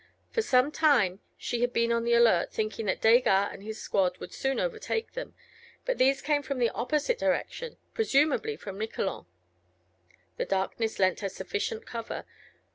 For some time she had been on the alert thinking that Desgas and his squad would soon overtake them, but these came from the opposite direction, presumably from Miquelon. The darkness lent her sufficient cover.